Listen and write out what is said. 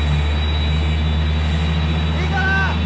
いいから！